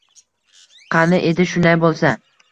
Qani edi, shunday bo`lsa